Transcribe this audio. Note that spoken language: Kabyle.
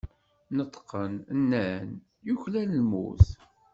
Neṭqen, nnan: Yuklal lmut.